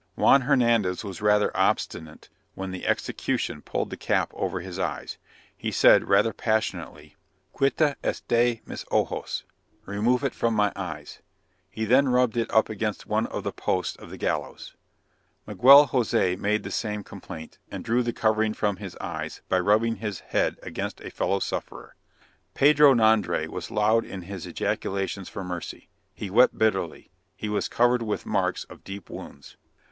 Juan Hernandez was rather obstinate when the execution pulled the cap over his eyes. He said, rather passionately "Quita is de mis ojos." (Remove it from my eyes.) He then rubbed it up against one of the posts of the gallows. Miguel Jose made the same complaint, and drew the covering from his eyes by rubbing his head against a fellow sufferer. Pedro Nondre was loud in his ejaculations for mercy. He wept bitterly. He was covered with marks of deep wounds.